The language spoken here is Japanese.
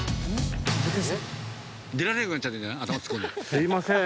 すいません。